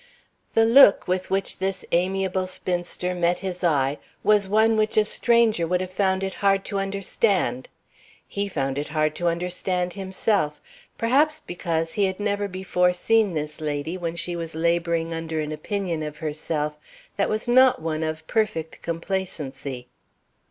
The look with which this amiable spinster met his eye was one which a stranger would have found it hard to understand. He found it hard to understand himself, perhaps because he had never before seen this lady when she was laboring under an opinion of herself that was not one of perfect complacency.